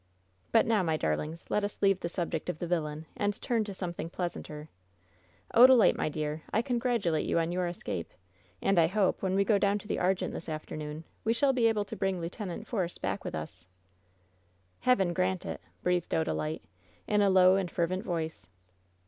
But now, my darlings, let us leave the subject of the vil lain and turn to something pleasanter. Odalite, my dear, I congratulate you on your escape. And I hope, when we go down to the Argente this afternoon, we shall be able to bring Lieut. Force back with us." WHEN SHADOWS DIE 91 "Heaven grant it!" breathed Odalite, in a low and fer vent voice.